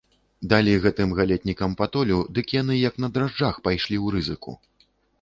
Далі гэтым галетнікам патолю, дык яны, як на дражджах, пайшлі ў рызыку.